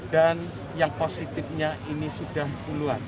dan yang positifnya ini sudah puluhan